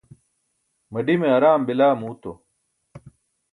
maḍime araam bila muuto